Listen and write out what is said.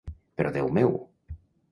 Però Déu meu!